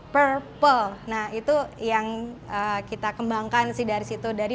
purple nah itu yang kita kembangkan sih dari situ